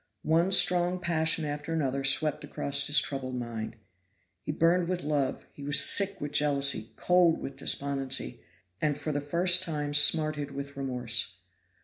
One strong passion after another swept across his troubled mind. He burned with love, he was sick with jealousy, cold with despondency, and for the first time smarted with remorse.